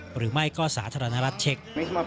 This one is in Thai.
หรือไม่ก็สาธารณรัฐเช็ค